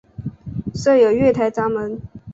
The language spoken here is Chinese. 设有月台闸门。